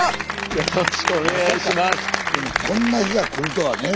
よろしくお願いします。